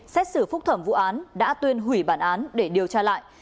xét xử phúc thẩm vụ án đã tuyên hủy bản án để điều tra lại